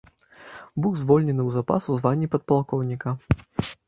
Быў звольнены ў запас у званні падпалкоўніка.